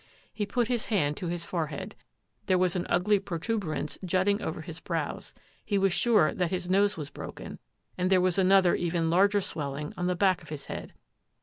He put his hand to his forehead. There was an ugly protuberance jutting over his brows ; he was sure that his nose was broken; and there was an other even larger swelling on the back of his head.